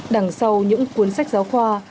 đằng sau những cuốn sách giáo khoa